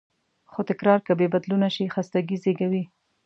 خو تکرار که بېبدلونه شي، خستګي زېږوي.